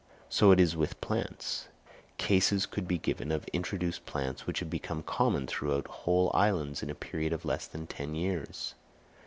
So it is with plants; cases could be given of introduced plants which have become common throughout whole islands in a period of less than ten years.